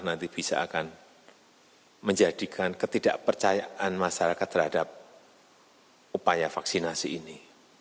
nanti bisa akan menjadikan ketidakpercayaan masyarakat terhadap upaya vaksinasi ini